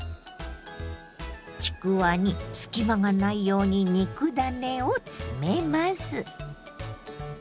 ちくわに隙間がないように肉ダネを詰めます。